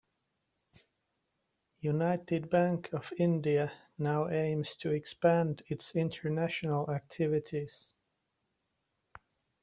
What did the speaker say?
United Bank of India now aims to expand its international activities.